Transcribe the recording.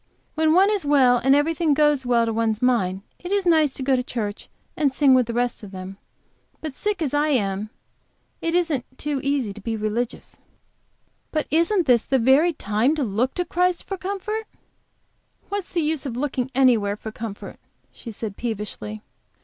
"When one is well, and everything goes quite to one's mind, it is nice to go to church and sing with the rest of them. But, sick as I am, it isn't so easy to be religious." "But isn't this the very time to look to Christ for comfort?" "What's the use of looking anywhere for comfort?" she said, peevishly.